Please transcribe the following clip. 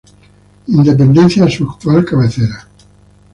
Independencia a su actual cabecera.